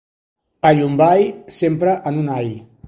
A Llombai, sempre en un ai!